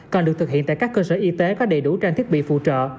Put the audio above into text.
còn được thực hiện tại các cơ sở y tế có đầy đủ trang thiết bị phụ trợ